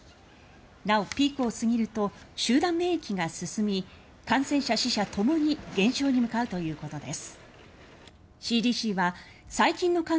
なお、ピークを過ぎると集団免疫が進み感染者、死者ともに減少に向かうということです。